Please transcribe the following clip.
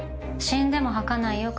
死んでも吐かないよ